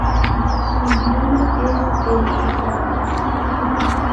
Su idioma es el hazara.